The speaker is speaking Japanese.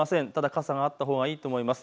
ただ傘はあったほうがいいと思います。